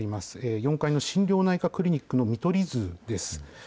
４階の心療内科クリニックの見取り図です。